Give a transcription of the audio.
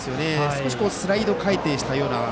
少しスライド回転したような。